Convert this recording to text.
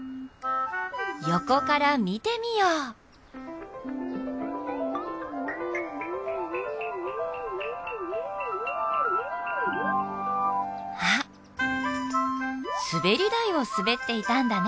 横から見てみようあっすべり台をすべっていたんだね